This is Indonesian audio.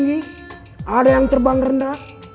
dari aoda yang berkopi